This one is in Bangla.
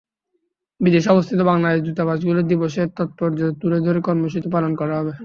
বিদেশে অবস্থিত বাংলাদেশ দূতাবাসগুলোয় দিবসের তাৎপর্য তুলে ধরে কর্মসূচি পালন করা হবে।